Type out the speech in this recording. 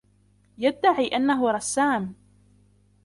يدعي أنه رسام.